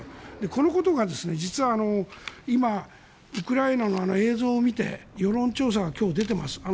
このことが実は今ウクライナの映像を見て世論調査が今日、出てます。